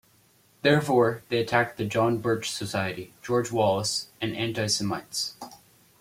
Therefore, they attacked the John Birch Society, George Wallace, and anti-Semites.